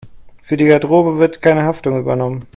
Für die Garderobe wird keine Haftung übernommen.